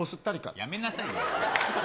やめなさいよ。